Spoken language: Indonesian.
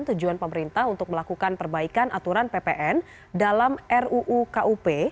tujuan pemerintah untuk melakukan perbaikan aturan ppn dalam ruu kup